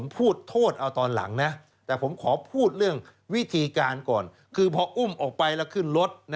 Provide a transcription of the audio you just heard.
พิธีการก่อนคือพออุ้มออกไปแล้วขึ้นรถ